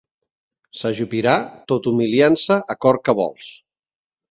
S'ajupirà, tot humiliant-se a cor què vols.